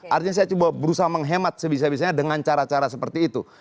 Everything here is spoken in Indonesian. artinya saya coba berusaha menghemat sebisa bisanya dengan cara cara seperti itu